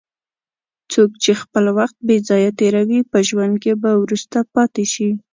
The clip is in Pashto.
څوک چې خپل وخت بې ځایه تېروي، په ژوند کې به وروسته پاتې شي.